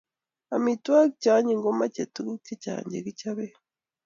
Amitwokik che onyiny komochei tuguk chechang chekichobe